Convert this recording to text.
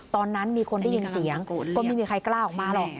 ตอนนั้นมีคนได้ยินเสียงก็ไม่มีใครกล้าออกมาหรอก